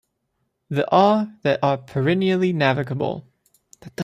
The are that are perennially navigable.